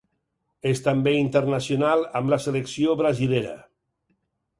És també internacional amb la selecció brasilera.